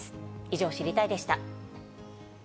以上、知りたいッ！でした。